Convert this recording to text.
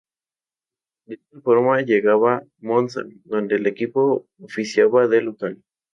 De esta forma llegaba Monza, donde el equipo oficiaba de local.